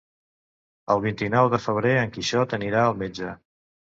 El vint-i-nou de febrer en Quixot anirà al metge.